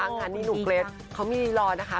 คันนี้หนูเกรดเขามีรีดราวนะคะ